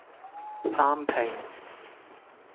單拼